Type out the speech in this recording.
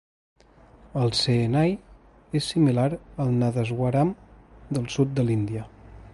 El shehnai és similar al nadaswaram del sud de l'Índia.